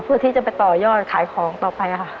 เพื่อที่จะไปต่อยอดขายของต่อไปค่ะ